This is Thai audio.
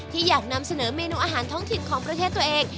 อยากนำเสนอเมนูอาหารท้องถิ่นของประเทศตัวเอง